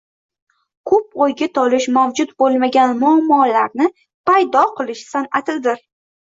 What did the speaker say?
Ko‘p o‘yga tolish mavjud bo‘lmagan muammolarni paydo qilish san’atidir.